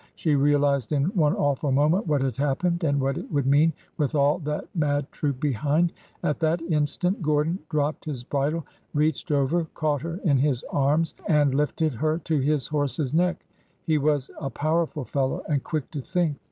She realized in one awful moment what had happened, and what it would mean with all that mad troop behind. At that instant, Gordon dropped his bridle, reached over, caught her in his arms, and lifted her to his horse's neck. He was a powerful fellow and quick to think.